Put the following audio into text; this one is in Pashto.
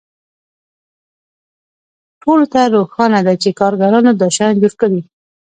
ټولو ته روښانه ده چې کارګرانو دا شیان جوړ کړي